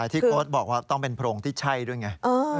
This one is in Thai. ที่โค้ดบอกว่าต้องเป็นโพรงที่ใช่ด้วยไง